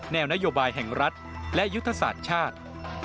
แนวนโยบายแห่งรัฐและยุทธศาสตร์ชาติ